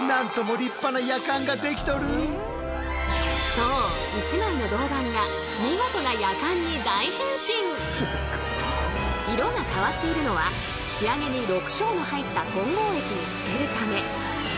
そう１枚の色が変わっているのは仕上げに緑青の入った混合液につけるため。